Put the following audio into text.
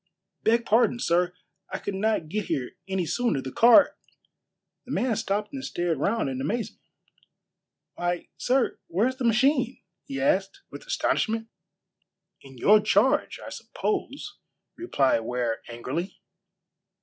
"Beg pardon, sir, I could not get here any sooner. The car " The man stopped and stared round in amazement. "Why, sir, where's the machine?" he asked, with astonishment. "In your charge, I suppose," replied Ware angrily.